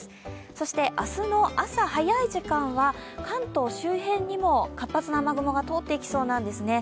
そして明日の朝早い時間は関東周辺にも活発な雨雲が通っていきそうなんですね。